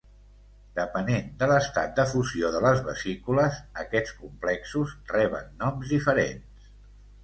Depenent de l'estat de fusió de les vesícules, aquests complexos reben noms diferents.